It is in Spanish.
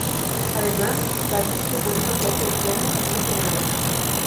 Además, David Revuelto toca el piano en "Otro muerto".